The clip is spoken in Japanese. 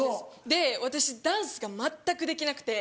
で私ダンスが全くできなくて。